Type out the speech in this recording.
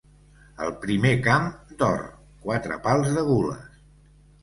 Al primer camp, d'or, quatre pals de gules.